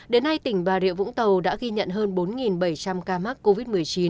đến nay tỉnh bà rịa vũng tàu đã ghi nhận hơn bốn bảy trăm linh ca mắc covid một mươi chín